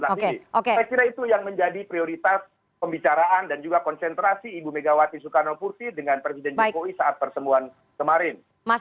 saya kira itu yang menjadi prioritas pembicaraan dan juga konsentrasi ibu megawati soekarnoputri dengan presiden jokowi saat persembuhan kemarin